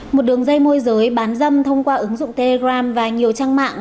một đường dây môi giới bán dâm thông qua ứng dụng telegram và nhiều trang mạng